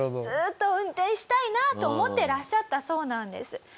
ずっと運転したいなと思ってらっしゃったそうなんです。